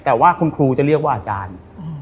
แต่ว่าคุณครูจะเรียกว่าอาจารย์